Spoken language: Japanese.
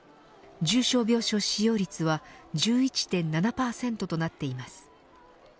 重症病床使用率は１１．７％となっています。